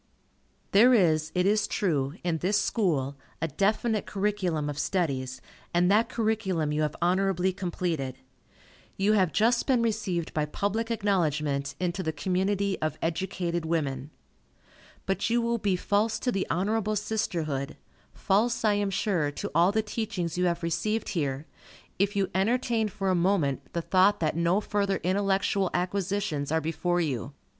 There is, it is true, in this School, a definite curriculum of studies, and that curriculum you have honorably completed. You have just been received by public acknowledgment into the community of educated women. But you will be false to the honorable sisterhood, false, I am sure, to all the teachings you have received here, if you entertain for a moment the thought that no further intellectual acquisitions are before you.